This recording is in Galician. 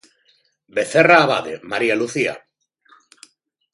Vecerra Abade, María Lucía.